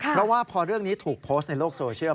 เพราะว่าพอเรื่องนี้ถูกโพสต์ในโลกโซเชียล